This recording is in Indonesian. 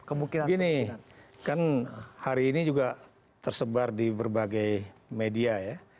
begini kan hari ini juga tersebar di berbagai media ya